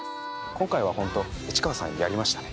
今回は本当市川さんやりましたね。